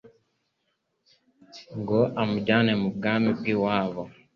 ngo amujyane mu bwami bw'iwabo